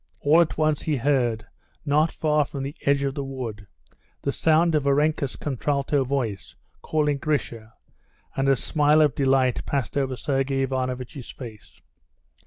All at once he heard, not far from the edge of the wood, the sound of Varenka's contralto voice, calling Grisha, and a smile of delight passed over Sergey Ivanovitch's face.